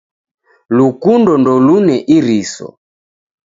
Lukundo ndolune iriso.